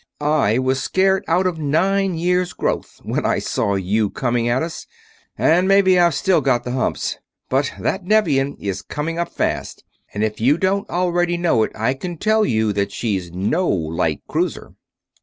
"I was scared out of nine years' growth when I saw you coming at us, and maybe I've still got the humps; but that Nevian is coming up fast, and if you don't already know it I can tell you that she's no light cruiser."